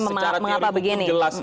tapi mengapa begini